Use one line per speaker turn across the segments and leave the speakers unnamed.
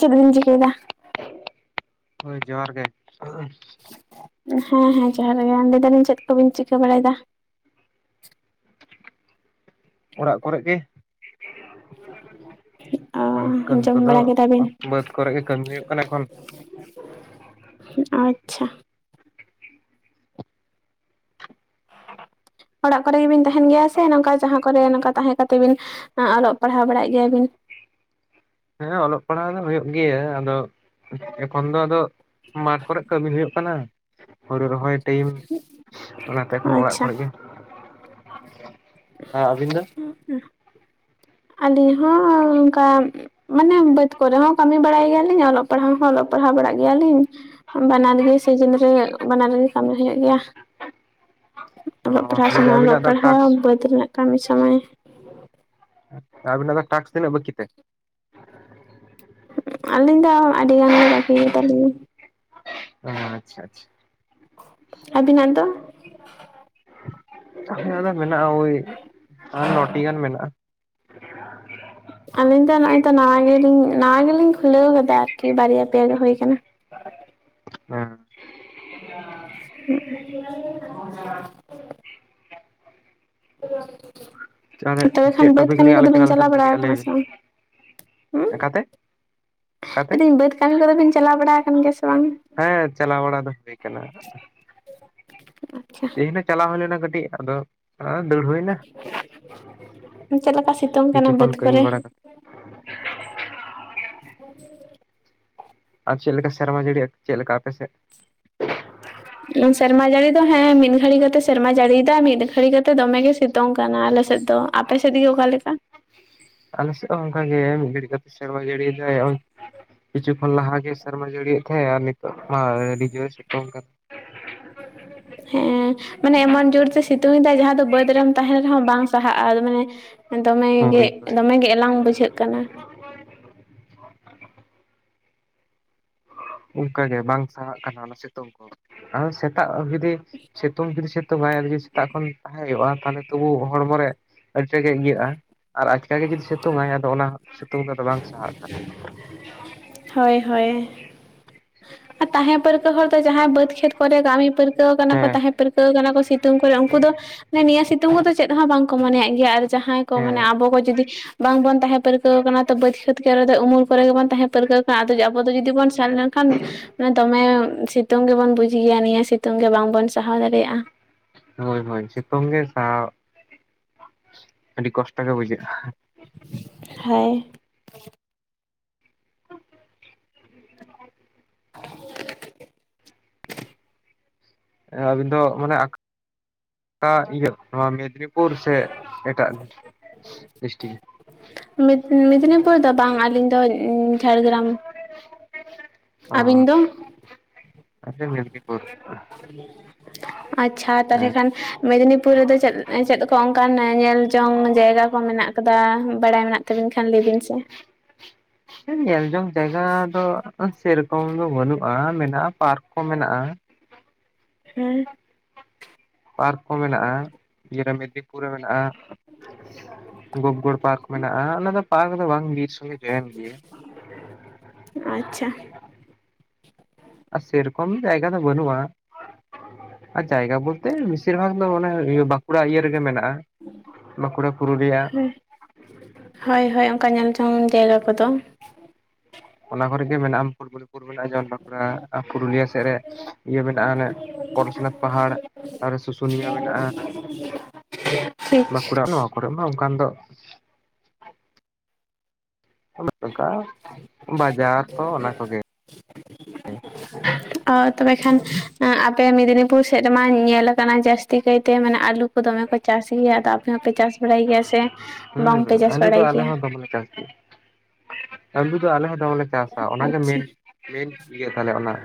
ᱪᱮᱫ ᱵᱤᱱ ᱪᱤᱠᱟᱹᱭ ᱫᱟ?
ᱦᱳᱭ ᱡᱚᱦᱟᱨ ᱜᱮ᱾
ᱦᱮᱸ ᱦᱮᱸ ᱡᱚᱦᱟᱨ ᱜᱮ ᱟᱨ ᱞᱟᱹᱭᱮᱫᱟᱞᱤᱧ ᱪᱮᱫ ᱠᱚᱵᱤᱱ ᱪᱤᱠᱟᱹ ᱵᱟᱲᱟᱭᱮᱫᱟ‌?
ᱚᱲᱟᱜ ᱠᱚᱨᱮ ᱜᱮ᱾
ᱚ
ᱚᱱᱠᱟᱱ
ᱡᱚᱢ
ᱠᱚᱫᱚ
ᱵᱟᱲᱟ ᱠᱮᱫᱟ ᱵᱤᱱ
ᱵᱟᱹᱫᱽ ᱠᱚᱨᱮ ᱜᱮ ᱠᱟᱹᱢᱤ ᱦᱩᱭᱩᱜ ᱠᱟᱱᱟ ᱮᱠᱷᱚᱱ᱾
ᱟᱪᱪᱷᱟ ᱚᱲᱟᱜ ᱠᱚᱨᱮ ᱜᱮᱵᱤᱱ ᱛᱟᱦᱮᱱ ᱜᱮᱭᱟ ᱥᱮ ᱱᱚᱝᱠᱟ ᱡᱟᱦᱟᱸ ᱠᱚᱨᱮ ᱱᱚᱝᱠᱟ ᱛᱟᱦᱮᱸ ᱠᱟᱛᱮ ᱵᱤᱱᱼᱼ ᱚᱞᱚᱜ ᱯᱟᱲᱦᱟᱣ ᱵᱟᱲᱟᱜ ᱜᱮᱭᱟ ᱵᱤᱱ?
ᱦᱮᱸ ᱚᱞᱚᱜ ᱯᱟᱲᱦᱟᱣ ᱫᱚ ᱦᱩᱭᱩᱜ ᱜᱮᱭᱟ ᱟᱫᱚ ᱮᱠᱷᱚᱱ ᱫᱚ ᱟᱫᱚᱼᱼ ᱢᱟᱴ ᱠᱚᱨᱮ ᱠᱟᱹᱢᱤ ᱦᱩᱭᱩᱜ ᱠᱟᱱᱟ ᱦᱩᱲᱩ ᱨᱚᱦᱚᱭ ᱴᱟᱭᱤᱢ ᱚᱱᱟᱛᱮ ᱮᱠᱷᱚᱱ ᱚᱲᱟᱜ
ᱟᱪᱪᱷᱟ
ᱠᱚᱨᱮ ᱜᱮ᱾ ᱦᱟᱸ ᱟᱵᱤᱱᱫᱚ?
ᱟᱹᱞᱤᱧ ᱦᱚᱸ ᱚᱱᱠᱟᱼᱼ ᱢᱟᱱᱮ ᱵᱟᱹᱫᱽ ᱠᱚᱨᱮ ᱦᱚᱸ ᱠᱟᱹᱢᱤ ᱵᱟᱲᱟᱭ ᱜᱮᱭᱟᱞᱤᱧ ᱚᱞᱚᱜ ᱯᱟᱲᱦᱟᱣ ᱦᱚᱸ ᱚᱞᱚᱜ ᱯᱟᱲᱦᱟᱣ ᱵᱟᱲᱟᱜ ᱜᱮᱭᱟᱞᱤᱧ᱾ ᱵᱟᱱᱟᱨ ᱜᱮ ᱥᱤᱡᱤᱱ ᱨᱮ ᱵᱟᱱᱟᱨᱜᱮ ᱠᱟᱹᱢᱤ ᱦᱩᱭᱩᱜ ᱜᱮᱭᱟ᱾
ᱚ
ᱚᱞᱚᱜ ᱯᱟᱲᱦᱟᱣ ᱥᱚᱢᱚᱭ ᱚᱞᱚᱜ
ᱟᱹᱵᱤᱱᱟᱜ ᱫᱚ
ᱯᱟᱲᱦᱟᱣ
ᱴᱟᱠᱥ
ᱵᱟᱹᱫᱽ ᱨᱮᱱᱟᱜ ᱠᱟᱹᱢᱤ ᱥᱚᱢᱚᱭᱼᱼ
ᱟᱨᱵᱤᱱᱟᱜ ᱫᱚ ᱴᱟᱥᱠ ᱛᱤᱱᱟᱹᱜ ᱵᱟᱹᱠᱤ ᱛᱮ?
ᱟᱹᱞᱤᱧ ᱫᱚ ᱟᱹᱰᱤ ᱜᱟᱱ ᱜᱮ ᱵᱟᱹᱜᱤ ᱜᱮᱛᱟᱞᱤᱧᱟ᱾
ᱟᱼᱟᱪᱪᱷᱟ ᱟᱪᱪᱷᱟ
ᱟᱵᱤᱱᱟᱜ ᱫᱚ?
ᱟᱹᱞᱤᱧᱟᱜ ᱫᱚ ᱢᱮᱱᱟᱜᱼᱟ ᱳᱭ ᱟᱨ ᱱᱚᱴᱤ ᱜᱟᱱ ᱢᱮᱱᱟᱜᱼᱟ᱾
ᱟᱞᱤᱧ ᱫᱚ ᱱᱚᱜᱚᱭ ᱛᱚ ᱱᱟᱣᱟ ᱜᱮᱞᱤᱧ ᱱᱟᱣᱟ ᱜᱮᱞᱤᱧ ᱠᱷᱩᱞᱟᱹᱣ ᱠᱟᱫᱟ ᱟᱨᱠᱤ ᱵᱟᱨᱭᱟ ᱯᱮᱭᱟ ᱜᱮ ᱦᱩᱭ ᱠᱟᱱᱟ᱾
ᱦᱮᱸ
[unintelligible] [unintelligible]
ᱛᱟᱦᱚᱞᱮ
ᱛᱚᱵᱮ ᱠᱷᱟᱱ
ᱪᱮᱫ
ᱵᱟᱹᱫᱽ
ᱴᱚᱯᱤᱠ
ᱠᱟᱹᱢᱤ
ᱞᱤᱭᱮ
ᱠᱚᱫᱚ
ᱟᱞᱳᱪᱚᱱᱟ
ᱵᱤᱱ ᱪᱟᱞᱟᱣ
ᱞᱮᱠᱷᱟᱱ
ᱵᱟᱲᱟ
ᱵᱷᱟᱜᱤᱜᱼᱟ ᱞᱟᱹᱭ
ᱠᱟᱱᱟ ᱥᱮ
ᱵᱤᱱ
ᱵᱟᱝ? ᱦᱩᱸᱢ᱾
ᱚᱠᱟᱛᱮ ᱚᱠᱟᱛᱮ
ᱞᱟᱹᱭ ᱫᱤᱧ ᱵᱟᱹᱫᱽ ᱠᱟᱹᱢᱤ ᱠᱚᱫᱚ ᱵᱤᱱ ᱪᱟᱞᱟᱣ ᱵᱟᱲᱟ ᱠᱟᱱ ᱜᱮᱭᱟ ᱥᱮ ᱵᱟᱝ?
ᱦᱮᱸ ᱪᱟᱞᱟᱣ ᱵᱟᱲᱟ ᱫᱚ ᱦᱩᱭ ᱠᱟᱱᱟ᱾
ᱟᱪᱪᱷᱟ
ᱛᱮᱦᱮᱧ ᱫᱚ ᱪᱟᱞᱟᱣ ᱦᱩᱭ ᱞᱮᱱᱟ ᱠᱟᱹᱴᱤᱡ ᱟᱫᱚᱼᱼ ᱚᱲᱟᱜ ᱦᱚᱸ ᱫᱟᱹᱲ ᱦᱩᱭ ᱮᱱᱟ,
ᱪᱮᱫ ᱞᱮᱠᱟ ᱥᱤᱛᱩᱝ
ᱠᱤᱪᱷᱩ
ᱠᱟᱱᱟ
ᱠᱷᱚᱱ
ᱵᱟᱹᱫᱽ
ᱠᱟᱹᱢᱤ
ᱠᱚᱨᱮ
ᱵᱟᱲᱟ ᱠᱟᱛᱮ᱾ ᱟᱨ ᱪᱮᱫ ᱞᱮᱠᱟ ᱥᱮᱨᱢᱟ ᱡᱟᱹᱲᱤ ᱪᱮᱫ ᱞᱮᱠᱟ ᱟᱯᱮ ᱥᱮᱫ?
[inaudible] ᱥᱮᱨᱢᱟ ᱡᱟᱹᱲᱤ ᱫᱚ ᱦᱮᱸ ᱢᱤᱫ ᱜᱷᱟᱲᱤ ᱠᱟᱛᱮ ᱥᱮᱨᱢᱟ ᱡᱟᱹᱲᱤᱭᱮᱫᱟ ᱢᱤᱫ ᱜᱷᱟᱲᱤ ᱠᱟᱛᱮ ᱫᱚᱢᱮ ᱜᱮ ᱥᱤᱛᱩᱝ ᱠᱟᱱᱟ ᱟᱞᱮᱥᱮᱫ ᱫᱚ᱾ ᱟᱯᱮ ᱥᱮᱫᱜᱮ ᱚᱠᱟ ᱞᱮᱠᱟ?
ᱟᱞᱮᱥᱮᱫ ᱦᱚᱸ ᱚᱱᱠᱟ ᱜᱮ ᱢᱤᱫ ᱜᱷᱟᱹᱲᱤ ᱠᱟᱛᱮ ᱥᱮᱨᱢᱟ ᱡᱟᱹᱲᱤᱭᱮᱫᱟᱭ ᱠᱤᱪᱷᱩ ᱠᱷᱚᱱ ᱞᱟᱦᱟᱜᱮ ᱥᱮᱨᱢᱟ ᱡᱟᱹᱲᱤᱭᱮᱫ ᱛᱟᱦᱮᱸᱜ ᱟᱨ ᱱᱤᱛᱚᱜ ᱢᱟ ᱟᱰᱤ ᱡᱳᱨᱮ ᱥᱤᱛᱩᱝ ᱠᱟᱫᱟ᱾ [inaudible]
ᱦᱮᱸ᱾ ᱢᱟᱱᱮ ᱮᱢᱚᱱ ᱡᱳᱨᱛᱮ ᱥᱤᱛᱩᱝᱮᱫᱟᱭ ᱡᱟᱦᱟᱸ ᱫᱚ ᱵᱟᱹᱫᱽ ᱨᱮᱢ ᱛᱟᱦᱮᱱ ᱨᱮᱦᱚᱸ ᱵᱟᱝ ᱥᱟᱦᱟᱜᱼᱟ ᱢᱟᱱᱮᱼᱼ ᱫᱚᱢᱮᱜᱮ
ᱦᱳᱭ ᱦᱳᱭ
ᱫᱚᱢᱮᱜᱮ ᱮᱞᱟᱝ ᱵᱩᱡᱷᱟᱹᱜ ᱠᱟᱱᱟ᱾ [inaudible]
ᱚᱱᱠᱟᱜᱮ ᱵᱟᱝ ᱥᱟᱦᱟᱜ ᱠᱟᱱᱟ ᱚᱱᱟ ᱥᱤᱛᱩᱝ ᱠᱚ ᱟᱨ ᱥᱮᱛᱟᱜ ᱡᱩᱫᱤᱼᱼ ᱥᱤᱛᱩᱝ ᱡᱩᱫᱤ ᱥᱤᱛᱩᱝ ᱟᱭ ᱟᱫᱚ ᱡᱩᱫᱤ ᱥᱮᱛᱟᱜ ᱠᱷᱚᱱ ᱛᱟᱦᱮᱸ ᱦᱩᱭᱩᱜᱼᱟ ᱛᱟᱦᱚᱞᱮ ᱛᱚᱵᱩ ᱦᱚᱲᱢᱚ ᱨᱮᱼᱼ ᱟᱹᱰᱤᱛᱮᱫᱜᱮ ᱤᱭᱟᱹᱜᱼᱟ ᱟᱨ ᱟᱪᱠᱟ ᱜᱮ ᱡᱩᱫᱤ ᱥᱤᱛᱩᱝ ᱟᱭ ᱟᱫᱚ ᱚᱱᱟ ᱥᱤᱛᱩᱝ ᱫᱚ ᱟᱫᱚ ᱵᱟᱝ ᱥᱟᱦᱟᱜ ᱠᱟᱱᱟ᱾
ᱦᱳᱭ ᱦᱳᱭ᱾ ᱟᱨ ᱛᱟᱦᱮᱸ ᱯᱟᱹᱨᱠᱟᱹᱼᱼ ᱠᱟᱹ ᱦᱚᱲ ᱫᱚ ᱡᱟᱦᱟᱸᱭ ᱵᱟᱹᱫᱽ ᱠᱷᱮᱛ ᱠᱚᱨᱮ ᱠᱟᱹᱢᱤ ᱯᱟᱹᱨᱠᱟᱹᱣ ᱠᱟᱱᱟ ᱠᱚ
ᱦᱮᱸ
ᱛᱟᱦᱮᱸ ᱯᱟᱹᱨᱠᱟᱹᱣ ᱠᱟᱱᱟ ᱠᱚ ᱥᱤᱛᱼᱼ ᱛᱩᱝ ᱠᱚᱨᱮ ᱩᱱᱠᱩ ᱫᱚ ᱱᱤᱭᱟᱹ ᱥᱤᱛᱩᱝ ᱠᱚᱫᱚ ᱪᱮᱫ ᱦᱚᱸ ᱵᱟᱝᱠᱚ ᱢᱚᱱᱮᱭᱟᱜ ᱜᱮᱭᱟ ᱟᱨ ᱡᱟᱦᱟᱸᱭ ᱠᱚ ᱢᱟᱱᱮ
ᱦᱮᱸ
ᱟᱵᱚ ᱠᱚ ᱡᱩᱫᱤᱼᱼ ᱵᱟᱝᱵᱚᱱ ᱛᱟᱦᱮᱸ ᱯᱟᱹᱨᱠᱟᱹᱣ ᱟᱠᱟᱱᱟ ᱵᱟᱹᱫᱽ, ᱠᱷᱮᱛ ᱠᱚᱨᱮ ᱫᱚ ᱩᱢᱩᱞ ᱠᱚᱨᱮᱜ ᱜᱮᱵᱚᱱ ᱛᱟᱦᱮᱸ ᱯᱟᱹᱨᱠᱟᱹᱣ ᱠᱟᱱᱟ ᱟᱫᱚ ᱟᱵᱚ ᱡᱩᱫᱤ ᱵᱚᱱ ᱥᱮᱱ ᱞᱮᱱᱠᱷᱟᱱ ᱱᱮ ᱫᱚᱢᱮ ᱥᱤᱛᱩᱝ ᱜᱮᱵᱚᱱ ᱵᱩᱡ ᱜᱮᱭᱟ ᱱᱤᱭᱟᱹ ᱥᱤᱛᱩᱝ ᱜᱮ ᱵᱟᱝᱵᱚᱱ ᱥᱟᱦᱟᱣ ᱫᱟᱲᱮᱭᱟᱜᱼᱟ᱾
ᱦᱳᱭ ᱦᱳᱭ ᱥᱤᱛᱩᱝ ᱜᱮ ᱥᱟᱦᱟᱣ [inaudible] ᱟᱹᱰᱤ ᱠᱚᱥᱴᱚ ᱜᱮ ᱵᱩᱡᱷᱟᱹᱜᱼᱟ᱾
[inaudible] ᱦᱮᱸᱭ ᱾ [inaudible]
ᱟᱹᱵᱤᱱ ᱫᱚ ᱢᱟᱱᱮ ᱟᱠᱟ ᱤᱭᱟᱹ [inaudible] ᱱᱚᱣᱟ ᱢᱮᱫᱤᱱᱤᱯᱩᱨ᱾ ᱯᱩᱨ ᱥᱮ ᱮᱴᱟᱜ ᱰᱤᱥᱴᱤᱠ ᱾
ᱢᱮᱫᱽᱱᱤᱯᱩᱨ ᱫᱚ ᱵᱟᱝ ᱟᱹᱞᱤᱧ ᱫᱚ ᱡᱷᱟᱲᱜᱨᱟᱢ ᱾
ᱚᱸᱻ [unintelligible] ᱾
[inaudible] ᱟᱪᱪᱷᱟ ᱛᱟᱦᱮ ᱠᱷᱟᱱ
ᱦᱮᱸ
᱾ ᱢᱮᱫᱽᱱᱤᱯᱩᱨ ᱨᱮᱫᱚ ᱪᱮᱫ ᱪᱮᱫ ᱠᱚ ᱚᱱᱠᱟᱱ ᱧᱮᱞ ᱡᱚᱝ ᱡᱟᱭᱜᱟ ᱠᱚ ᱢᱮᱱᱟᱜ ᱟᱠᱟᱫᱟ ᱵᱟᱲᱟᱭ ᱢᱮᱱᱟᱜ ᱛᱟᱵᱤᱱ ᱠᱷᱟᱱ ᱞᱟᱹᱭ ᱵᱤᱱ ᱥᱮ ᱾
ᱧᱮᱞ ᱡᱚᱝ ᱡᱟᱭᱜᱟ ᱫᱚ ᱥᱮᱨᱚᱠᱚᱢ ᱫᱚ ᱵᱟᱹᱱᱩᱜᱼᱟ᱾ ᱢᱮᱱᱟᱜᱼᱟ ᱯᱟᱨᱠ ᱠᱚ ᱢᱮᱱᱟᱜᱼᱟ᱾
ᱦᱮᱸ ᱾
ᱯᱟᱨᱠ ᱠᱚ ᱢᱮᱱᱟᱜᱼᱟ᱾ ᱤᱭᱮ ᱢᱮᱫᱽᱱᱤᱯᱩᱨ ᱨᱮ ᱢᱮᱱᱟᱜᱼᱟ ᱾ ᱜᱚᱵᱜᱚᱲ ᱯᱟᱨᱠ ᱢᱮᱱᱟᱜᱼᱟ᱾ᱚᱱᱟ ᱫᱚ ᱯᱟᱨᱠ ᱫᱚ ᱵᱟᱝ ᱵᱤᱨ ᱥᱚᱸᱜᱮ ᱾ ᱡᱚᱭᱮᱱ ᱜᱮ ᱾
ᱟᱪᱪᱷᱟ ᱾
ᱟᱨ ᱥᱮᱨᱚᱠᱚᱢ ᱡᱟᱭᱜᱟ ᱫᱚ ᱵᱟᱹᱱᱩᱜᱼᱟ᱾ ᱟᱨ ᱡᱟᱭᱜᱟ ᱵᱚᱞᱛᱮ ᱵᱮᱥᱤᱨ ᱵᱷᱟᱜ ᱫᱚ ᱚᱱᱮ ᱵᱟᱸᱠᱩᱲᱟ ᱤᱭᱟᱹ ᱨᱮᱜᱮ ᱢᱮᱱᱟᱜᱼᱟ᱾ ᱵᱟᱸᱠᱩᱲᱟ ᱯᱩᱨᱩᱞᱤᱭᱟ ᱾
ᱦᱮᱸ ᱦᱳᱭ ᱦᱳᱭ ᱚᱱᱠᱟ ᱧᱮᱞ ᱡᱚᱝ ᱡᱟᱭᱜᱟ ᱠᱚᱫᱚ ᱾
ᱚᱱᱟ ᱠᱚᱨᱮᱜᱮ ᱢᱮᱱᱟᱜᱼᱟᱢ ᱯᱷᱩᱴᱵᱚᱞ ᱾ ᱢᱮᱱᱟᱜᱼᱟ ᱡᱚᱱ ᱵᱟᱸᱠᱩᱲᱟ ᱟᱨ ᱯᱩᱨᱩᱞᱤᱭᱟᱹ ᱥᱮᱫ ᱨᱮ ᱤᱭᱟᱹ ᱢᱮᱱᱟᱜᱼᱟ ᱚᱱ ᱯᱚᱨᱚᱥᱱᱟᱛᱷ ᱯᱟᱦᱟᱲ᱾ ᱟᱨ ᱥᱩᱥᱩᱱᱤᱭᱟᱹ ᱢᱮᱱᱟᱜᱼᱟ ᱾
ᱴᱷᱤᱠ ᱾
ᱱᱚᱣᱟ ᱠᱚᱨᱮ ᱢᱟ ᱚᱱᱠᱟᱱ ᱫᱚ ᱾ [unintelligible] ᱚᱱᱠᱟ ᱵᱟᱡᱟᱨ ᱠᱚ ᱚᱱᱟ ᱠᱚᱜᱮ ᱾
[inaudible] ᱚ ᱛᱚᱵᱮ ᱠᱷᱟᱱ ᱟᱯᱮ ᱢᱮᱫᱽᱱᱤᱯᱩᱨ ᱥᱮᱫ ᱨᱮᱢᱟ ᱧᱮᱞᱟ ᱾ ᱠᱟᱱᱟ ᱡᱟᱹᱥᱛᱤ ᱠᱟᱭᱛᱮ ᱢᱟᱱᱮ ᱟᱞᱩ ᱠᱚ ᱫᱚᱢᱮ ᱠᱚ ᱪᱟᱥ ᱜᱮᱭᱟ ᱟᱫᱚ ᱟᱯᱮ ᱦᱚᱸᱯᱮ ᱪᱟᱥ ᱵᱟᱲᱟᱭ ᱜᱮᱭᱟ ᱥᱮ ᱾
ᱦᱩᱸ ᱟᱞᱩ ᱫᱚ ᱟᱞᱮ ᱦᱚᱸ ᱫᱚᱢᱟᱱᱮ ᱪᱟᱥ ᱜᱮ ᱾ ᱟᱹᱞᱩ ᱫᱚ ᱟᱞᱮ ᱦᱚᱸ ᱫᱚᱢᱞᱮ ᱪᱟᱥᱟ ᱚᱱᱟᱜᱮ
ᱟᱪᱪᱷᱟ
ᱢᱮᱱ ᱢᱮᱱ ᱤᱭᱟᱹᱛᱟᱞᱮ ᱚᱱᱟ ᱾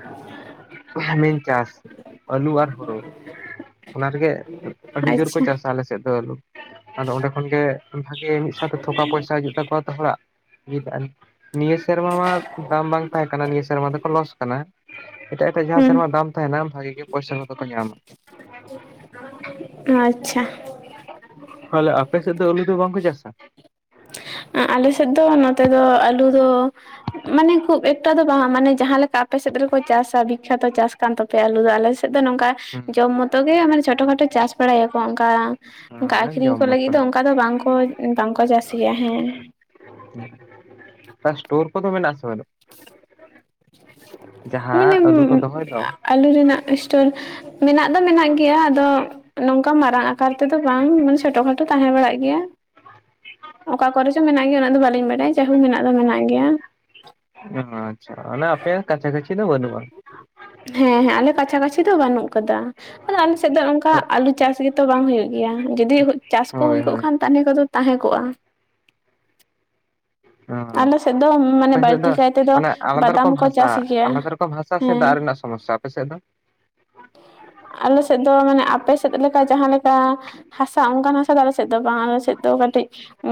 ᱢᱤᱱ ᱪᱟᱥ ᱟᱹᱞᱩ ᱟᱨ ᱦᱩᱲᱩ ᱾ ᱚᱱᱟ ᱨᱮᱜᱮ ᱟᱹᱰᱤ ᱡᱳᱨ ᱠᱚ
ᱟᱪᱪᱷᱟ
ᱪᱟᱥᱟ ᱟᱞᱮᱥᱮᱫ ᱫᱚ ᱟᱫᱚ ᱚᱸᱰᱮ ᱠᱷᱚᱱᱜ ᱵᱷᱟᱜᱮ ᱢᱤᱫ ᱥᱟᱶᱛᱮ ᱛᱷᱚᱠᱟ ᱯᱚᱭᱥᱟ ᱦᱤᱡᱩᱜ ᱛᱟᱠᱚᱣᱟ ᱛᱚ ᱦᱚᱲᱟᱜ ᱾ ᱱᱤᱭᱟᱹ ᱥᱮᱨᱢᱟ ᱢᱟ ᱫᱟᱢ ᱵᱟᱝ ᱛᱟᱦᱮᱸ ᱠᱟᱱᱟ ᱱᱤᱭᱟᱹ ᱥᱮᱨᱢᱟ ᱫᱚᱠᱚ ᱞᱚᱥ ᱠᱟᱱᱟ᱾ ᱾ ᱮᱴᱟᱜ ᱮᱴᱟᱜ ᱡᱟᱦᱟᱸ
ᱦᱩᱸ
ᱥᱮᱨᱢᱟ ᱫᱟᱢ ᱛᱟᱦᱮᱱᱟ ᱵᱷᱟᱜᱤ ᱜᱮ ᱯᱚᱭᱥᱟ ᱠᱚᱫᱚ ᱠᱚ ᱧᱟᱢᱟ ᱾
ᱟᱪᱪᱷᱟ ᱾
ᱛᱟᱦᱚᱞᱮ ᱟᱯᱮ ᱥᱮᱫ ᱫᱚ ᱟᱹᱞᱩ ᱫᱚ ᱵᱟᱝᱠᱚ ᱪᱟᱥᱟ?
ᱟᱞᱮ ᱥᱮᱫ ᱫᱚ ᱱᱚᱛᱮ ᱫᱚ ᱟᱹᱞᱩ ᱫᱚ ᱾ ᱢᱟᱱᱮ ᱠᱷᱩᱵ ᱮᱠᱴᱟ ᱫᱚ ᱵᱟᱝ ᱢᱟᱱᱮ ᱡᱟᱦᱟᱸᱞᱮᱠᱟ ᱟᱯᱮ ᱥᱮᱫ ᱨᱮᱠᱚ ᱪᱟᱥᱟ ᱵᱤᱠᱷᱟᱛᱚ ᱪᱟᱥ ᱠᱟᱱ ᱛᱟᱯᱮᱭᱟ ᱟᱞᱩ ᱫᱚ ᱟᱞᱮ ᱥᱮᱫ ᱾ ᱟᱫᱚ ᱱᱚᱝᱠᱟ ᱡᱚᱢ ᱢᱚᱛᱚ ᱜᱮ ᱢᱟᱱᱮ ᱪᱷᱳᱚᱴᱚ ᱠᱷᱟᱴᱚ ᱪᱟᱥ ᱵᱟᱲᱟᱭᱟᱠᱚ ᱚᱱᱠᱟ ᱾ ᱚᱱᱠᱟ
ᱦᱮᱸ
ᱟᱠᱷᱨᱤᱧ
ᱡᱚᱢ
ᱠᱚ ᱞᱟᱹᱜᱤᱫ
ᱢᱚᱛᱚ
ᱫᱚ
ᱦᱮᱸ
ᱚᱱᱠᱟ ᱫᱚ ᱵᱟᱝᱠᱚ ᱵᱟᱝᱠᱚ ᱪᱟᱥᱤᱭᱟ ᱦᱮᱸ ᱾
ᱥᱴᱳᱨ ᱠᱚᱫᱚ ᱢᱮᱱᱟᱜ ᱥᱮ ᱵᱟᱝ?
ᱢᱟᱱᱮ
ᱡᱟᱦᱟᱸ ᱟᱹᱞᱩ ᱠᱚ ᱫᱚᱦᱚᱭ ᱫᱚ ᱾
ᱟᱹᱞᱩ ᱨᱮᱱᱟᱜ ᱥᱴᱳᱨ ᱢᱮᱱᱟᱜ ᱫᱚ ᱢᱮᱱᱟᱜ ᱜᱮᱭᱟ ᱟᱫᱚ ᱾ ᱱᱚᱝᱠᱟ ᱢᱟᱨᱟᱝ ᱟᱠᱟᱨ ᱛᱮᱫᱚ ᱵᱟᱝ ᱢᱟᱱᱮ ᱪᱷᱳᱴᱳ ᱠᱷᱟᱴᱳ ᱛᱟᱦᱮᱸ ᱵᱟᱲᱟᱜ ᱜᱮᱭᱟ ᱾ ᱚᱠᱟ ᱠᱚᱨᱮ ᱪᱚ ᱢᱮᱱᱟᱜ ᱜᱮᱭᱟ ᱩᱱᱟᱹᱜ ᱫᱚ ᱵᱟᱹᱞᱤᱧ ᱵᱟᱰᱟᱭᱟ ᱡᱟᱹᱦᱩ ᱢᱮᱱᱟᱜ ᱫᱚ ᱢᱮᱱᱟᱜ ᱜᱮᱭᱟ ᱾
ᱟᱪᱪᱷᱟ ᱟᱯᱮᱭᱟᱜ ᱠᱟᱪᱷᱟ ᱠᱟᱪᱷᱤ ᱫᱚ ᱵᱟᱹᱱᱩᱜᱼᱟ ᱾
ᱦᱮᱸ ᱦᱮᱸ ᱟᱞᱮ ᱠᱟᱪᱷᱟ ᱠᱟᱪᱷᱤ ᱫᱚ ᱵᱟᱹᱱᱩᱜ ᱟᱠᱟᱫᱟ ᱟᱫᱚ ᱟᱞᱮᱥᱮᱫ ᱫᱚ ᱱᱚᱝᱠᱟ ᱟᱞᱩ ᱪᱟᱥ ᱜᱮ ᱾ ᱛᱚ ᱵᱟᱝ ᱦᱩᱭᱩᱜ ᱜᱮᱭᱟ ᱡᱩᱫᱤ ᱪᱟᱥ ᱠᱚ
ᱦᱳᱭ
ᱦᱩᱭ ᱠᱚᱜ
ᱦᱳᱭ
ᱠᱷᱟᱱ ᱛᱟᱦᱚᱞᱮ ᱛᱟᱜᱤ ᱠᱚᱫᱚ ᱛᱟᱦᱮᱸ ᱠᱚᱜᱼᱟ ᱾ ᱟᱞᱮ ᱥᱮᱫ ᱫᱚ ᱢᱟᱱᱮ
ᱟᱯᱮ ᱥᱮᱫ
ᱵᱟᱹᱲᱛᱤ
ᱫᱚ
ᱠᱟᱭ ᱛᱮᱫᱚ
ᱢᱟᱱᱮ ᱟᱞᱟᱫᱟ
ᱵᱟᱫᱟᱢ
ᱨᱚᱠᱚᱢ
ᱠᱚ
ᱦᱟᱥᱟ
ᱪᱟᱥ ᱜᱮᱭᱟ
ᱟᱞᱟᱫᱟ ᱨᱚᱠᱚᱢ ᱦᱟᱥᱟ ᱥᱮ
ᱦᱮᱸ
ᱫᱟᱜ ᱨᱮᱱᱟᱜ ᱥᱚᱢᱚᱥᱥᱟ? ᱟᱯᱮ ᱥᱮᱫ ᱫᱚ?
ᱟᱞᱮ ᱥᱮᱫ ᱫᱚ ᱢᱟᱱᱮ ᱟᱯᱮ ᱥᱮᱫ ᱞᱮᱠᱟ ᱡᱟᱦᱟᱸ ᱞᱮᱠᱟ ᱦᱟᱥᱟ ᱚᱱᱠᱟᱱ ᱦᱟ ᱥᱟᱛᱟᱞ ᱥᱮᱫ ᱫᱚ ᱵᱟᱝ ᱟᱞᱮ ᱥᱮᱫ ᱫᱚ ᱠᱟᱹᱴᱤᱡ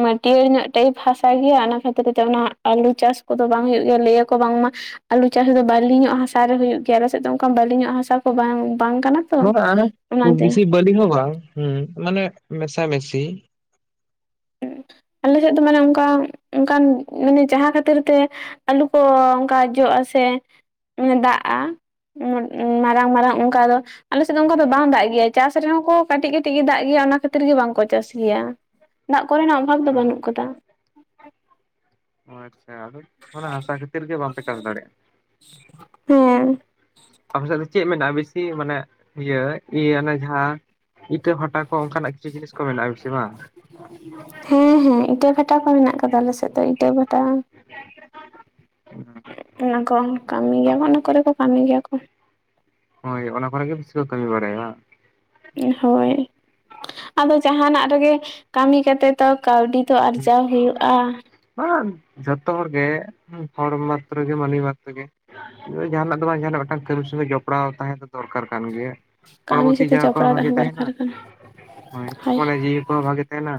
ᱢᱟᱹᱴᱭᱟᱹᱲ ᱧᱚᱜ ᱴᱟᱭᱤᱯ ᱦᱟᱥᱟ ᱜᱮᱭᱟ᱾ ᱚᱱᱟ ᱠᱷᱟᱹ ᱦᱚᱛᱫ ᱛᱮ ᱚᱱᱟ ᱟᱹᱞᱩ ᱪᱟᱹᱥ ᱠᱚᱫᱚ ᱵᱟᱝ ᱦᱳᱭᱳᱜ ᱜᱮᱭᱟ᱾ ᱞᱟᱹᱭ ᱟᱠᱚ ᱵᱟᱝᱢᱟ ᱟᱹᱞᱩ ᱪᱟᱹᱥ ᱫᱚ ᱵᱟᱹᱞᱤ ᱧᱚᱜ ᱦᱟᱥᱟ ᱨᱮ ᱦᱩᱭᱩᱜᱭ ᱜᱮᱭᱟ᱾ ᱟᱞᱮ ᱥᱮᱫ ᱫᱚ ᱚᱱᱠᱟ ᱵᱟᱹᱞᱤ ᱧᱚᱜ ᱦᱟᱥᱟ ᱠᱚ ᱵᱟᱝ ᱵᱟᱝ ᱠᱟᱱᱟ᱾ ᱚ
ᱵᱟᱝ
ᱚᱱᱟ
ᱠᱷᱩᱵ
ᱛᱮ᱾
ᱵᱮᱥᱤ ᱵᱟᱹᱞᱤ ᱦᱚᱸ ᱵᱟᱝ ᱦᱩᱸ ᱢᱟᱱᱮ ᱢᱮᱥᱟ ᱢᱮᱥᱤ᱾
ᱟᱞᱮ ᱥᱮᱫ ᱫᱚ ᱢᱟᱱᱮ ᱚᱱᱠᱟ ᱚᱱᱠᱟᱱ ᱢᱟᱱᱮ ᱡᱟᱦᱟᱸ ᱠᱷᱟᱹᱛᱤᱨ ᱛᱮ ᱟᱹᱞᱩ ᱠᱚ ᱚᱱᱠᱟ ᱡᱚᱜ-ᱟ ᱥᱮ ᱫᱟᱜᱼᱟ᱾ ᱢᱟᱨᱟᱝ ᱢᱟᱨᱟᱝ ᱚᱱᱠᱟ ᱫᱚ ᱟᱞᱮ ᱥᱮᱫ ᱫᱚ ᱚᱱᱠᱟ ᱫᱚ ᱵᱟᱝ ᱫᱟᱜ ᱜᱮᱭᱟ᱾ ᱪᱟᱹᱥ ᱨᱮᱦᱚᱸ ᱠᱚ ᱠᱟᱹᱴᱤᱡ ᱠᱟᱹᱴᱤᱡ ᱜᱮ ᱫᱟᱜ ᱜᱮᱭᱟ᱾ ᱚᱱᱟ ᱠᱷᱟᱹᱛᱤᱨ ᱜᱮ ᱵᱟᱝᱠᱚ ᱪᱟᱹᱥ ᱜᱮᱭᱟ᱾ ᱫᱟᱜ ᱠᱚᱨᱮ ᱱᱟᱜ ᱚᱵᱷᱟᱵᱽ ᱫᱚ ᱵᱟᱹᱱᱩᱜ ᱟᱠᱟᱫ-ᱟ᱾
ᱚ ᱟᱪᱪᱷᱟ, ᱚᱱᱟ ᱦᱟᱥᱟ ᱠᱷᱟᱹᱛᱤᱨ ᱜᱮ ᱵᱟᱢᱯᱮ ᱪᱟᱹᱥ ᱫᱟᱲᱮᱜ-ᱟ᱾
ᱦᱮᱸ,
ᱟᱯᱮ ᱥᱮᱜ ᱫᱚ ᱪᱮᱜ ᱢᱮᱱᱟᱜ-ᱟ ᱵᱮᱥᱤ ᱢᱟᱱᱮ ᱤᱭᱟᱹ ᱤᱭᱟᱹ ᱚᱱᱮ ᱡᱟᱦᱟᱸ᱾ ᱤᱴᱟᱹ ᱵᱷᱟᱸᱴᱟ ᱠᱚ ᱚᱱᱠᱟ ᱱᱟᱜ ᱠᱤᱪᱷᱩ ᱡᱤᱱᱤᱥ ᱠᱚ ᱢᱮᱱᱟᱜ-ᱟ ᱵᱤᱥᱤ ᱵᱟᱝ?
ᱦᱮᱸ ᱦᱮᱸ ᱤᱴᱟᱹ ᱵᱷᱟᱴᱟ ᱠᱚ ᱢᱮᱱᱟᱜ ᱠᱟᱫᱟ ᱟᱞᱮ ᱥᱮᱜ ᱫᱚ ᱤᱴᱟᱹ ᱵᱷᱟ ᱴᱟ᱾ ᱚᱱᱟ ᱠᱚ ᱠᱟᱢᱤ ᱜᱮᱭᱟ ᱠᱚ ᱚᱱᱟ ᱠᱚᱨᱮ ᱠᱚ ᱠᱟᱢᱤ ᱜᱮᱭᱟ ᱠᱚ᱾
ᱦᱳᱭ ᱚᱱᱟ ᱠᱚᱨᱮ ᱜᱮ ᱵᱤᱥᱤ ᱠᱚ ᱠᱟᱹᱢᱤ ᱵᱟᱲᱟᱭᱟ ᱵᱟ᱾
ᱦᱳᱭ ᱟᱫᱚ ᱡᱟᱦᱟᱸᱱᱟᱜ ᱨᱮᱜᱮ ᱠᱟᱢᱤ ᱠᱟᱛᱮᱫ᱾ ᱛᱟᱣ ᱠᱟᱣᱰᱤ ᱛᱚ
ᱵᱟᱝ
ᱟᱨᱡᱟᱣ ᱦᱳᱭᱳᱜ-ᱟ᱾
[unintelligible] ᱡᱷᱚᱛᱚ ᱦᱚᱲ ᱜᱮ ᱦᱚᱲ ᱢᱟᱛᱨᱚ ᱜᱮ ᱢᱟᱱᱤ ᱢᱟᱛ ᱛᱮᱜᱮ᱾ ᱡᱟᱦᱟᱸᱱᱟᱜ ᱫᱚ ᱵᱟᱝ ᱡᱟᱦᱟᱸᱱᱟᱜ ᱢᱮᱜᱴᱟᱝ ᱠᱟᱹᱢᱤ ᱥᱚᱸᱜᱮ ᱡᱚᱯᱲᱟᱣ ᱛᱟᱦᱮᱸ ᱫᱚ ᱫᱚᱨᱠᱟᱨ ᱠᱟᱱ ᱜᱮᱭᱟ᱾ ᱦᱚᱲᱢᱚ
ᱠᱟᱹᱢᱤ
ᱛᱤ
ᱥᱟᱛᱮ
ᱡᱟᱸᱜᱟ ᱠᱚᱦᱚᱸ
ᱡᱚᱯᱲᱟᱣ
ᱵᱷᱟᱜᱤ
ᱛᱟᱦᱮᱸ
ᱛᱟᱦᱮᱱᱟ
ᱫᱚᱨᱠᱟᱨ ᱠᱟᱱᱟ
ᱦᱳᱭ ᱢᱚᱱᱮ ᱡᱤᱣᱤ ᱠᱚᱦᱚᱸ ᱵᱷᱟᱜᱮ ᱛᱟᱦᱮᱱᱟ᱾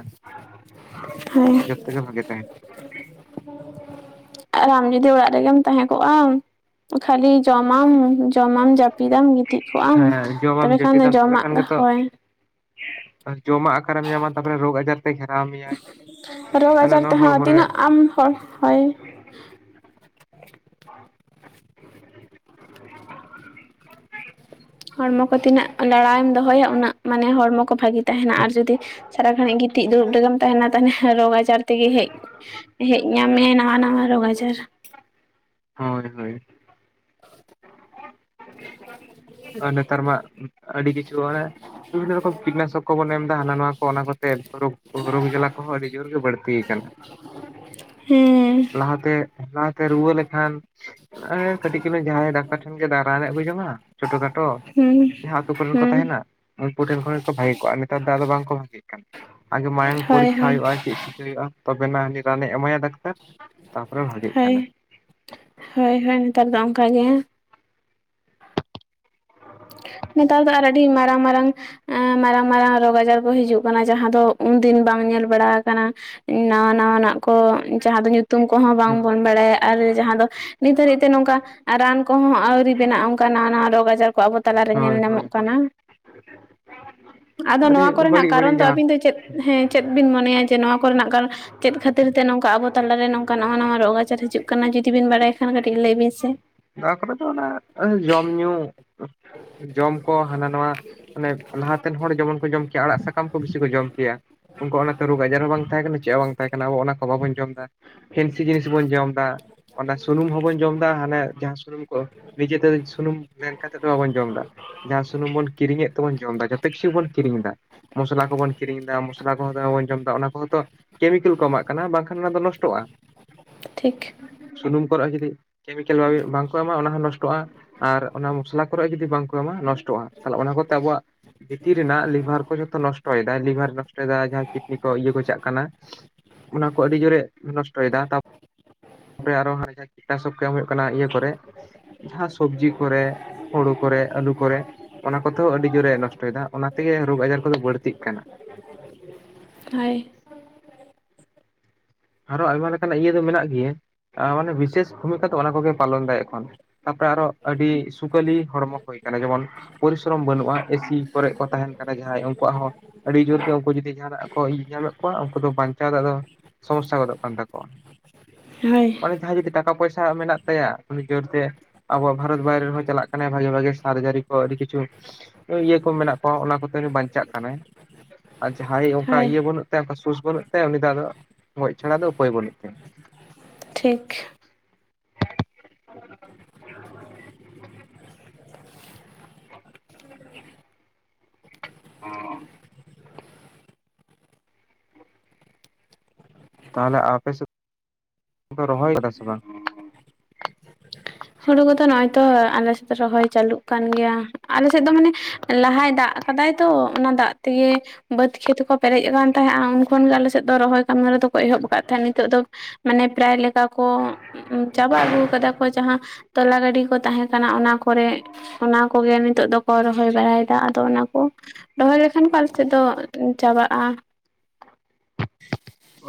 ᱦᱳᱭ
ᱡᱷᱚᱛᱚ ᱜᱮ ᱵᱷᱟᱜᱮ ᱛᱟᱦᱮᱱᱟ᱾
[inaudible] ᱟᱨ ᱟᱢ ᱡᱩᱫᱤ ᱚᱲᱟᱜ ᱨᱮᱜᱮᱢ ᱛᱟᱸᱦᱮ ᱠᱚᱜ ᱟᱢ ᱠᱷᱟᱞᱤ ᱡᱚᱢᱟᱢ᱾ ᱡᱚᱢᱟᱢ ᱡᱟᱯᱤᱫᱟᱢ ᱜᱤᱛᱤᱡᱽ ᱠᱚᱜ ᱟᱢ᱾ ᱛᱚᱵᱮ
ᱡᱚᱢᱟᱢ
ᱠᱷᱟᱱ ᱫᱚ
ᱡᱟᱹᱯᱤᱫᱟᱢ ᱛᱟᱦᱞᱮ
ᱡᱚᱢᱟᱜ
ᱠᱷᱟᱱ ᱜᱮ ᱛᱚ
ᱦᱳᱭ
ᱡᱚᱢᱟᱜ ᱟᱠᱟᱨᱮᱢ ᱧᱟᱢᱟ ᱛᱟᱯᱚᱨᱮ ᱨᱳᱜᱽ ᱟᱡᱟᱨ᱾ ᱛᱮ ᱜᱷᱮᱨᱟᱣ ᱢᱮᱭᱟᱭ
ᱨᱳᱜᱽ
ᱦᱟᱱᱟ
ᱟᱡᱟᱨ
ᱱᱚᱣᱟ ᱦᱚᱲᱢᱚ
ᱛᱮᱦᱚᱸ
ᱨᱮᱭᱟᱜ᱾
ᱛᱤᱱᱟᱹᱜ ᱟᱢ ᱦᱚᱭ ᱦᱚᱭ᱾ [inaudible] ᱦᱚᱲᱢᱚ ᱠᱚ ᱛᱤᱱᱟᱹᱜ ᱞᱟᱲᱟᱭᱮᱢ ᱫᱚᱦᱚᱭᱟ ᱩᱱᱟᱹᱜ ᱢᱟᱱᱮ ᱦᱚᱲᱢᱚ ᱠᱚ ᱵᱷᱟᱜᱤ ᱛᱟᱦᱮᱱᱟ ᱟᱨ ᱡᱩᱫᱤ᱾ ᱥᱟᱨᱟ ᱜᱷᱟᱸᱲᱤᱡ ᱜᱤᱛᱤᱡ ᱫᱩᱲᱩᱵ ᱨᱮᱜᱮᱢ ᱛᱟᱦᱮᱱᱟ ᱛᱟᱦᱱᱮ ᱨᱳᱜᱽ ᱟᱡᱟᱨ᱾ ᱛᱤᱜᱤ ᱦᱮᱡ ᱦᱮᱡ ᱧᱟᱢ ᱢᱮᱭᱟ ᱱᱟᱣᱟ ᱱᱟᱣᱟ ᱨᱳᱜᱽ ᱟᱡᱟᱨ᱾
ᱦᱳᱭ ᱦᱳᱭ᱾
[inaudible]
ᱟᱨ ᱱᱮᱛᱟᱨ ᱢᱟ ᱟᱹᱰᱤ ᱠᱤᱪᱷᱩ ᱢᱟᱱᱮ᱾ ᱵᱤᱵᱷᱤᱱᱱᱚ ᱨᱚᱠᱚᱢ ᱠᱤᱴᱱᱟᱥᱚᱠ ᱠᱚᱵᱚᱱ ᱮᱢ ᱫᱟ ᱦᱟᱱᱟ ᱱᱚᱣᱟ ᱠᱚ ᱚᱱᱟ ᱠᱚᱛᱮ ᱨᱳᱜᱽ ᱨᱳᱜᱽ ᱡᱟᱞᱟ ᱠᱚᱦᱚᱸ ᱟᱹᱰᱤ ᱡᱳᱨ ᱜᱮ ᱵᱟᱹᱲᱛᱤ ᱠᱟᱱᱟ᱾
[inaudible] ᱦᱩᱸ
ᱞᱟᱦᱟ ᱛᱮ ᱞᱟᱦᱟ ᱛᱮ ᱨᱩᱣᱟᱹ ᱞᱮ ᱠᱷᱟᱱ ᱮᱸ ᱠᱟᱹᱴᱤᱡ ᱪᱩᱞᱩᱝ ᱡᱟᱦᱟᱸᱭ ᱰᱟᱠᱛᱟᱨ ᱴᱷᱮᱱ ᱜᱮ ᱨᱟᱱᱮ ᱡᱚᱝ-ᱟ ᱪᱷᱴᱳ ᱠᱷᱟᱴᱚ᱾
ᱦᱩᱸ
ᱡᱟᱦᱟᱸ ᱟᱛᱩ ᱠᱚᱨᱮᱱ ᱠᱚ
ᱦᱩᱸ
ᱛᱟᱦᱮᱱᱟ ᱩᱱᱠᱩ ᱴᱷᱮᱱ ᱠᱷᱚᱱ ᱜᱮ ᱠᱚ ᱵᱷᱟᱜᱮ ᱠᱚᱜ-ᱟ, ᱱᱮᱛᱟᱨ ᱫᱚ ᱟᱫᱚ ᱵᱟᱝᱠᱚ ᱵᱷᱟᱜᱮᱜ ᱠᱟᱱ ᱟᱜᱮ ᱢᱟᱭᱟᱝ
ᱦᱳᱭ
ᱯᱚᱨᱤᱠᱷᱟ
ᱦᱳᱭ
ᱦᱳᱭᱳᱜ-ᱟ ᱪᱮᱜ ᱪᱤ ᱠᱟᱹ ᱦᱳᱭᱳᱜ-ᱟ ᱛᱚᱵᱮ ᱱᱟ ᱦᱟᱹᱱᱤ ᱨᱟᱱ ᱮ ᱮᱢᱟᱭᱟ ᱰᱟᱠᱛᱟᱨ ᱛᱟᱯᱚᱨᱮ ᱵᱷᱟᱜᱮᱜ
ᱦᱳᱭ
ᱠᱟᱱᱟ᱾
ᱦᱳᱭ ᱦᱳᱭ ᱱᱮᱛᱟᱨ ᱫᱚ ᱚᱝᱠᱟ ᱜᱮ᱾ ᱱᱮᱛᱟᱨ ᱫᱚ ᱟᱨ ᱟᱹᱰᱤ ᱢᱟᱨᱟᱝ ᱢᱟᱨᱟᱝ᱾ ᱮᱸ ᱢᱟᱨᱟᱝ ᱢᱟᱨᱟᱝ ᱨᱳᱜᱽ ᱟᱡᱟᱨ ᱠᱚ ᱦᱤᱡᱩᱜ ᱠᱟᱱᱟ ᱡᱟᱦᱟᱸ ᱫᱚ ᱩᱱᱫᱤᱱ ᱵᱟᱝ ᱧᱮᱞ ᱵᱟᱲᱟ ᱟᱠᱟᱱᱟ᱾ ᱱᱟᱣᱟ ᱱᱟᱣᱟ ᱱᱟᱜ ᱠᱚ ᱡᱟᱦᱟᱸ ᱫᱚ ᱧᱩᱛᱩᱢ ᱠᱚᱦᱚᱸ ᱵᱟᱝ ᱵᱚᱱ ᱵᱟᱲᱟᱭᱟ᱾ ᱟᱨ ᱡᱟᱦᱟᱸ ᱫᱚ ᱱᱤᱛ ᱦᱟᱹᱨᱤᱡ ᱛᱮ ᱱᱚᱝᱠᱟ ᱨᱟᱱ ᱠᱚᱦᱚᱸ ᱟᱣᱨᱤ ᱵᱮᱱᱟᱜ-ᱟ ᱚᱱᱠᱟ ᱱᱟᱣᱟ ᱱᱟᱣᱟ ᱨᱳᱜᱽ ᱟᱡᱟᱨ ᱠᱚ ᱟᱵᱚ᱾ ᱛᱟᱞᱟᱨᱮ ᱧᱮᱞ
ᱦᱳᱭ ᱦᱳᱭ
ᱧᱟᱢᱚᱜ
ᱦᱳᱭ
ᱠᱟᱱᱟ᱾ ᱟᱫᱚ
ᱟᱹᱰᱤ
ᱱᱚᱣᱟ ᱠᱚᱨᱮᱱᱟᱜ
ᱵᱟᱹᱲᱤᱡ ᱵᱟᱹᱲᱤᱡ
ᱠᱟᱨᱚᱱ ᱫᱚ
ᱡᱟᱦᱟᱸ
ᱟᱹᱵᱤᱱ ᱫᱚ ᱪᱮᱫ ᱦᱮᱸ ᱪᱮᱫ ᱵᱤᱱ ᱢᱚᱱᱮᱭᱟ ᱡᱮ ᱱᱚᱣᱟ ᱠᱚᱨᱮᱱᱟᱜ ᱠᱟᱨᱚ ᱪᱮᱫ ᱠᱷᱟᱹᱛᱤᱨ ᱛᱮ ᱱᱚᱝᱠᱟ ᱟᱵᱚ ᱛᱟᱞᱟᱨᱮ ᱱᱚᱝᱠᱟ ᱱᱟᱣᱟ ᱱᱟᱣᱟ ᱨᱳᱜᱽ ᱟᱡᱟᱨ ᱦᱤᱡᱩᱜ ᱠᱟᱱᱟ ᱡᱩᱫᱤ ᱵᱤᱱ ᱵᱟᱲᱟᱭ ᱠᱷᱟᱱ ᱠᱟᱹᱴᱤᱡ ᱞᱟᱹᱭ ᱵᱤᱱ ᱥᱮ?
ᱱᱚᱣᱟ ᱠᱚᱨᱮ ᱫᱚ ᱚᱱᱟ ᱡᱚᱢ ᱧᱩ ᱡᱚᱢ ᱠᱚ ᱦᱟᱱᱟ ᱱᱟᱣᱟ᱾ ᱢᱟᱱᱮ ᱞᱟᱦᱟᱛᱮᱱ ᱦᱚᱲ ᱡᱮᱢᱚᱱ ᱠᱚ ᱡᱚᱢ ᱠᱮᱭᱟ ᱟᱲᱟᱜ ᱥᱟᱠᱟᱢ ᱠᱚ ᱵᱤᱥᱤ ᱠᱚ ᱡᱚᱢ ᱠᱮᱭᱟ᱾ ᱩᱱᱠᱩᱣᱟᱜ ᱚᱱᱟᱛᱮ ᱨᱳᱜᱽ ᱟᱡᱟᱨ ᱦᱚᱸ ᱵᱟᱝ ᱛᱟᱦᱮᱸ ᱠᱟᱱᱟ ᱪᱮᱜ ᱦᱚᱸ ᱵᱟᱝ ᱛᱟᱦᱮᱸ ᱠᱟᱱᱟ ᱟᱵᱚ ᱚᱱᱟ ᱠᱚ ᱵᱟᱵᱚᱱ ᱡᱚᱢ ᱫᱟ᱾ ᱯᱷᱮᱱᱥᱤ ᱡᱤᱱᱤᱥ ᱵᱚᱱ ᱡᱚᱢ ᱫᱟ ᱚᱱᱟ ᱥᱩᱱᱩᱢ ᱦᱚᱸᱵᱚᱱ ᱡᱚᱢ ᱫᱟ ᱦᱟᱱᱮ᱾ ᱡᱟᱦᱟᱸ ᱥᱩᱱᱩᱢ ᱠᱚ ᱱᱤᱡᱮᱛᱮ ᱥᱩᱱᱩᱢ ᱞᱮᱱ ᱠᱟᱛᱮᱫ ᱫᱚ ᱵᱟᱵᱚᱱ ᱡᱚᱢ ᱫᱟ᱾ ᱡᱟᱦᱟᱸ ᱥᱩᱱᱩᱢ ᱵᱚᱱ ᱠᱤᱨᱤᱧᱮᱫ ᱛᱮᱵᱚᱱ ᱡᱚᱢ ᱮᱫᱟ ᱡᱟᱛᱮ ᱠᱤᱪᱷᱩ ᱵᱚᱱ ᱠᱤᱨᱤᱧ ᱮᱫᱟ᱾ ᱢᱚᱥᱞᱟ ᱠᱚᱵᱚᱱ ᱠᱤᱨᱤᱧ ᱮᱫᱟ ᱢᱚᱥᱞᱟ ᱠᱚᱦᱚᱸ ᱫᱚᱢᱮ ᱵᱚᱱ ᱡᱚᱢ ᱫᱟ ᱚᱱᱟ ᱠᱚᱦᱚᱸ ᱛᱚ ᱠᱮᱢᱤᱠᱮᱞ ᱠᱚ ᱮᱢᱟᱜ ᱠᱟᱱᱟ ᱵᱟᱝᱠᱷᱟᱱ ᱚᱱᱟ ᱫᱚ ᱱᱚᱥᱴᱚᱜ-ᱟ᱾
ᱴᱷᱤᱠ
ᱥᱩᱱᱩᱢ ᱠᱚᱨᱮᱜ ᱦᱚᱸ ᱡᱩᱫᱤ ᱠᱮᱢᱤᱠᱮᱞ ᱵᱟᱢ ᱵᱟᱝᱠᱚ ᱮᱢᱟ ᱚᱱᱟ ᱦᱚᱸ ᱱᱚᱥᱴᱚᱜ-ᱟ ᱟᱨ ᱚᱱᱟ ᱢᱚᱥᱞᱟ ᱠᱚᱨᱮ ᱡᱩᱫᱤ ᱵᱟᱝᱠᱚ ᱮᱢᱟ ᱱᱚᱥᱴᱚᱜ-ᱟ ᱛᱟᱦᱞᱮ ᱚᱱᱟ ᱠᱚᱛᱮ ᱟᱵᱚᱣᱟᱜ ᱵᱷᱤᱛᱤᱨ ᱨᱮᱱᱟᱜ ᱞᱤᱵᱷᱟᱨ ᱠᱚ ᱡᱷᱚᱛᱚ ᱱᱚᱥᱴᱚᱭᱫᱟᱭ ᱞᱤᱵᱷᱟᱨ ᱱᱚᱥᱴᱚᱭᱫᱟᱭ ᱡᱟᱦᱟᱸ ᱠᱤᱰᱱᱤ ᱠᱚ ᱤᱭᱟᱹ ᱠᱚ ᱪᱟᱜ ᱠᱟᱱᱟ ᱚᱱᱟ ᱠᱚ ᱟᱹᱰᱤ ᱡᱳᱨᱮ ᱱᱚᱥᱴᱚᱭᱮᱫᱟ ᱛᱟᱯ ᱯᱚᱨᱮ ᱟᱨᱚ ᱠᱤᱴᱱᱟᱥᱚᱠ ᱠᱚ ᱮᱢ ᱦᱩᱭᱩᱜ ᱠᱟᱱᱟ ᱤᱭᱟᱹ ᱠᱚᱨᱮᱜ ᱡᱟᱦᱟᱸ ᱥᱚᱵᱡᱤ ᱠᱚᱨᱮᱜ ᱦᱳᱲᱳ ᱠᱚᱨᱮᱜ ᱟᱹᱞᱩ ᱠᱚᱨᱮᱜ, ᱚᱱᱟ ᱠᱚᱛᱮᱦᱚᱸ ᱟᱹᱰᱤ ᱡᱳᱨᱮ ᱱᱚᱥᱴᱚᱭᱮᱫᱟ ᱚᱱᱟᱛᱮᱜᱮ ᱨᱳᱜᱽ ᱟᱡᱟᱨ ᱠᱚᱫᱚ ᱵᱟᱹᱲᱛᱤᱜ ᱠᱟᱱᱟ᱾
ᱦᱟᱭ
ᱟᱨᱚ ᱟᱭᱢᱟ ᱞᱮᱠᱟᱱᱟᱜ ᱤᱭᱟᱹ ᱫᱚ ᱢᱮᱱᱟᱜ ᱜᱮᱭᱟ ᱢᱟᱱᱮ ᱵᱤᱥᱮᱥ ᱵᱷᱩᱢᱤᱠᱟ ᱛᱚ ᱚᱱᱟ ᱠᱚᱜᱮ ᱯᱟᱞᱚᱱ ᱫᱟᱭ ᱮᱠᱷᱚᱱ᱾ ᱛᱟᱯᱚᱨᱮ ᱟᱨᱚ ᱟᱹᱰᱤ ᱥᱩᱠᱟᱹᱞᱤ ᱦᱚᱲᱢᱚ ᱦᱩᱭ ᱟᱠᱟᱱᱟ ᱡᱮᱢᱚᱱ ᱯᱚᱨᱤᱥᱨᱚᱢ ᱵᱟᱹᱱᱩᱜ-ᱟ ᱮᱥᱤ ᱠᱚᱨᱮᱜ ᱠᱚ ᱛᱟᱦᱮᱱ ᱠᱟᱱᱟ ᱡᱟᱦᱟᱸᱭ ᱩᱱᱠᱩᱣᱟᱜ ᱦᱚᱸ ᱟᱹᱰᱤ ᱡᱳᱨᱜ ᱛᱮᱦᱚᱸ ᱠᱚ ᱡᱫᱤ ᱡᱟᱦᱟᱸ ᱱᱟᱜ ᱤᱭ ᱧᱟᱢᱮᱫ ᱠᱚᱣᱟ ᱩᱱᱠᱩ ᱫᱚ ᱵᱟᱧᱪᱟᱣ ᱫᱚ ᱟᱫᱚ ᱥᱚᱢᱚᱥᱥᱟ ᱜᱚᱫᱚᱜ ᱠᱟᱱ ᱛᱟᱠᱚᱣᱟ᱾
ᱦᱳᱭ
ᱚᱱᱮ ᱡᱟᱦᱟᱸᱭ ᱡᱩᱫᱤ ᱴᱟᱠᱟ ᱯᱚᱭᱥᱟ ᱢᱮᱱᱟᱜ ᱛᱟᱭᱟ ᱩᱱᱤ ᱡᱳᱨᱛᱮ ᱟᱵᱚᱣᱟᱜ ᱵᱷᱟᱨᱚᱛ ᱵᱟᱭᱨᱮ ᱨᱮᱦᱚᱸ ᱪᱟᱞᱟᱜ ᱠᱟᱱᱟᱭ ᱵᱷᱟᱜᱮ ᱵᱷᱟᱜᱮ ᱥᱟᱨᱡᱟᱨᱤ ᱠᱚ ᱟᱹᱰᱤ ᱠᱤᱪᱷᱩ ᱳᱭ ᱤᱭᱟᱹ ᱠᱚ ᱢᱮᱱᱟᱜ ᱠᱚᱣᱟ ᱚᱱᱟ ᱠᱚ ᱛᱮᱜᱮ ᱵᱟᱧᱪᱟᱜ ᱠᱟᱱᱟᱭ, ᱟᱨ ᱡᱟᱦᱟᱸᱭ ᱚᱝᱠᱟ
ᱦᱳᱭ
ᱤᱭᱟᱹ ᱵᱟᱹᱱᱩᱜ ᱛᱟᱭᱟ ᱚᱱᱠᱟ ᱥᱩᱥ ᱵᱟᱹᱱᱩᱜ ᱛᱟᱭᱟ ᱩᱱᱤ ᱫᱚ ᱟᱫᱚ ᱜᱚᱡ ᱪᱷᱟᱲᱟ ᱫᱚ ᱩᱯᱟᱹᱭ ᱵᱟᱹᱱᱩᱜ ᱛᱟᱭᱟ᱾
ᱴᱷᱤᱠ
ᱚᱸ ᱛᱟᱦᱞᱮ ᱟᱯᱮ ᱥᱮ ᱠᱚ ᱨᱚᱦᱚᱭ ᱠᱟᱫᱟ ᱥᱮ ᱵᱟᱝ?
ᱦᱩᱲᱩ ᱠᱚᱫᱚ ᱱᱚᱜᱚᱭ ᱛᱚ ᱟᱞᱮᱥᱮᱫ ᱫᱚ ᱨᱚᱦᱚᱭ ᱪᱟᱹᱟᱞᱩᱜ ᱠᱟᱱ ᱜᱮᱭᱟ ᱟᱞᱮᱥᱮᱫ ᱫᱚ ᱢᱟᱱᱮ ᱞᱟᱦᱟᱭ ᱫᱟᱜ ᱠᱟᱫᱟᱭ ᱛᱚ ᱚᱱᱟ ᱫᱟᱜ ᱛᱮᱜᱮ ᱵᱟᱹᱫᱽ ᱠᱷᱮᱛ ᱠᱚ ᱯᱮᱨᱮᱡ ᱟᱠᱟᱱ ᱛᱟᱦᱮᱸᱜ ᱟᱸ ᱩᱱ ᱠᱷᱚᱱ ᱜᱮ ᱟᱞᱮ ᱥᱮᱫ ᱫᱚ ᱨᱚᱦᱚᱭ ᱠᱟᱹᱢᱤ ᱦᱚᱨᱟ ᱛᱚᱠᱚ ᱮᱦᱚᱵ ᱟᱠᱟᱫ ᱛᱟᱦᱮᱸᱜ ᱱᱤᱛᱳᱜ ᱫᱚ ᱢᱟᱱᱮ ᱯᱨᱟᱭ ᱞᱮᱠᱟ ᱠᱚ ᱩᱸᱢ ᱪᱟᱵᱟ ᱟᱹᱜᱩ ᱠᱟᱫᱟ ᱠᱚ ᱡᱟᱦᱟᱸ ᱛᱚᱞᱟ ᱜᱟᱹᱰᱤ ᱠᱚ ᱛᱟᱦᱮᱸ ᱠᱟᱱᱟ ᱚᱱᱟ ᱠᱚᱨᱮᱜ ᱚᱱᱟ ᱠᱚᱜᱮ ᱱᱤᱛᱳᱜ ᱫᱚᱠᱚ ᱨᱚᱦᱚᱭ ᱵᱟᱲᱟᱭ ᱫᱟ ᱟᱫᱚ ᱚᱱᱟ ᱠᱚ ᱨᱚᱦᱚᱭ ᱞᱮᱠᱷᱟᱱ ᱯᱟᱞ ᱥᱮᱫ ᱫᱚ ᱩᱸ ᱪᱟᱵᱟᱜ-ᱟ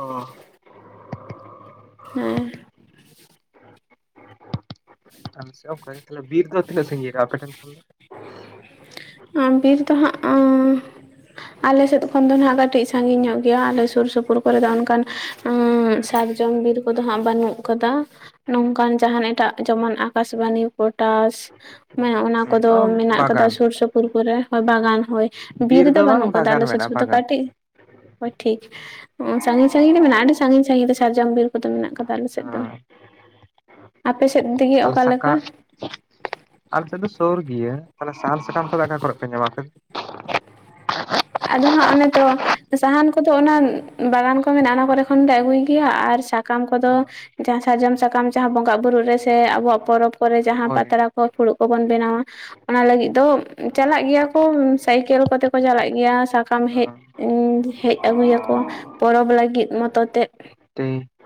ᱚ
ᱦᱮᱸ
ᱟᱞᱮ ᱥᱮᱜ ᱦᱚᱸ ᱚᱱᱠᱟ ᱜᱮ, ᱛᱟᱞᱮ ᱵᱤᱨ ᱫᱚ ᱛᱱᱟᱹ ᱥᱟᱸᱜᱤᱧ ᱨᱮ ᱟᱯᱮᱴᱮᱱ ᱠᱷᱚᱱ ᱫᱚ?
ᱩᱸ ᱵᱤᱨ ᱫᱚ ᱦᱟᱸ ᱟᱹ ᱟᱞᱮ ᱥᱮᱫ ᱠᱷᱚᱱ ᱫᱚ ᱱᱦᱟᱸᱜ ᱠᱟᱹᱴᱤᱜ ᱥᱟᱺᱜᱤᱧ ᱧᱚᱜ ᱜᱮᱭᱟ ᱟᱞᱮ ᱥᱩᱨ ᱥᱩᱯᱩᱨ ᱠᱚᱨᱮ ᱫᱚ ᱚᱱᱠᱟᱱ ᱟᱸ ᱥᱟᱨᱡᱚᱢ ᱵᱤᱨ ᱠᱚᱫᱚ ᱦᱟᱸᱜ ᱵᱟᱹᱱᱩᱜ ᱠᱟᱫᱟ ᱱᱚᱝᱠᱟᱱ ᱡᱟᱦᱟᱱ ᱮᱴᱟᱜ ᱡᱮᱢᱚᱱ ᱟᱠᱟᱥᱵᱟᱱᱤ ᱯᱚᱴᱟᱥ ᱢᱮ ᱚᱱᱟ ᱠᱚᱫᱚ
ᱫᱚ?
ᱢᱮᱱᱟᱜ ᱠᱟᱫᱟ
ᱵᱟᱜᱟᱱ
ᱥᱩᱨ ᱥᱩᱯᱩᱨ ᱠᱚᱨᱮ ᱦᱚᱭ ᱵᱟᱜᱟᱱ ᱦᱳᱭ ᱵᱤᱨ ᱨᱮᱫᱚ
ᱫᱚ ᱵᱟᱝ
ᱵᱟᱹᱱᱩᱜ ᱠᱟᱫᱟ
ᱵᱟᱜᱟᱱ
ᱟᱞᱮ ᱥᱩᱨ
ᱢᱮᱱᱟᱜᱼᱟ
ᱥᱩᱯᱩᱨ ᱫᱚ
ᱵᱟᱜᱟᱱ
ᱠᱟᱹᱴᱤᱜ ᱦᱳᱭ ᱴᱷᱤᱠ, ᱚ ᱥᱟᱺᱜᱤᱧ ᱥᱟᱺᱜᱤᱧ ᱢᱮᱱᱟᱜ-ᱟ ᱟᱹᱰᱤ ᱥᱟᱺᱜᱤᱧ ᱥᱟᱺᱜᱤᱧ ᱨᱮ ᱥᱟᱨᱡᱚᱢ ᱵᱤᱨ ᱠᱚᱫᱚ ᱢᱮᱱᱟᱜ ᱠᱟᱫᱟ ᱟᱞᱮ ᱥᱮᱫ ᱫᱚ᱾ [inaudible] ᱟᱯᱮᱥᱮᱫ
ᱛᱟᱞᱮ ᱥᱟᱠᱟ ᱟᱞᱮ ᱥᱮᱫ ᱫᱚ ᱥᱳᱨ ᱜᱮᱭᱟ ᱛᱟᱦᱞᱮ ᱥᱟᱦᱟᱱ ᱥᱟᱠᱟᱢ ᱠᱚᱫᱚ ᱟᱠᱟ ᱠᱚᱨᱮᱜ ᱯᱮ ᱧᱟᱢᱟ ᱟᱯᱮ
ᱟᱫᱚ ᱦᱟᱸᱜ ᱚᱱᱮ ᱛᱚ, ᱥᱟᱦᱟᱱ ᱠᱚᱫᱚ ᱚᱱᱟ, ᱵᱟᱜᱟᱱ ᱠᱚ ᱢᱮᱱᱟᱜ ᱚᱱᱟ ᱠᱚᱨᱮ ᱠᱷᱚᱱᱞᱮ ᱟᱹᱜᱩᱭ ᱜᱮᱭᱟ, ᱟᱨ ᱥᱟᱠᱟᱢ ᱠᱚᱫᱚ ᱡᱟᱦᱟᱸ ᱥᱟᱨᱡᱚᱢ ᱥᱟᱠᱟᱢ ᱡᱟᱦᱟᱸ ᱵᱚᱸᱜᱟᱼ ᱵᱩᱨᱩᱜ ᱨᱮ, ᱥᱮ ᱟᱵᱚᱣᱟᱜ ᱯᱚᱨᱚᱵ ᱠᱚᱨᱮᱜ ᱡᱟᱦᱟᱸ
ᱦᱳᱭ
ᱯᱟᱛᱲᱟ ᱠᱚ ᱯᱷᱩᱲᱩᱜ ᱠᱚᱵᱚᱱ ᱵᱮᱱᱟᱣᱟ ᱚᱱᱟ ᱞᱟᱹᱜᱤᱫ ᱫᱚ ᱪᱟᱞᱟᱜ ᱜᱮᱭᱟ ᱠᱚ, ᱥᱟᱭᱠᱮᱞ ᱠᱚᱛᱮ, ᱠᱚ ᱪᱟᱞᱟᱜ ᱜᱮᱭᱟ ᱥᱟᱠᱟᱢ ᱦᱮᱡ, ᱦᱮᱡ ᱟᱹᱜᱩᱭᱟᱠᱚ᱾ ᱯᱚᱨᱚᱵᱽ ᱞᱟᱹᱜᱤᱫ ᱢᱚᱛᱚ ᱛᱮᱫ ᱾
ᱴᱷᱤᱠ